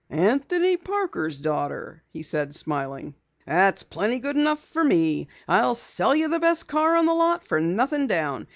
"Anthony Parker's daughter," he said, smiling. "That's plenty good enough for me. I'll sell you the best car on the lot for nothing down.